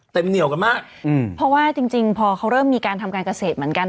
เหนียวกันมากอืมเพราะว่าจริงจริงพอเขาเริ่มมีการทำการเกษตรเหมือนกัน